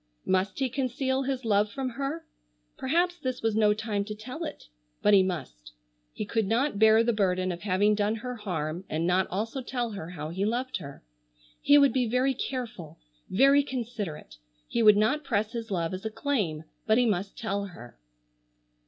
Must he conceal his love from her? Perhaps this was no time to tell it. But he must. He could not bear the burden of having done her harm and not also tell her how he loved her. He would be very careful, very considerate, he would not press his love as a claim, but he must tell her.